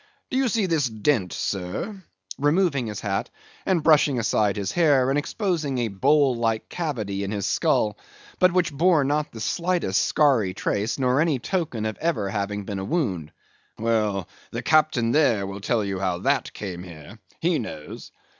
Do ye see this dent, sir"—removing his hat, and brushing aside his hair, and exposing a bowl like cavity in his skull, but which bore not the slightest scarry trace, or any token of ever having been a wound—"Well, the captain there will tell you how that came here; he knows."